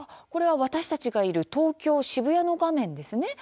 私たちがいる東京渋谷の画面ですね。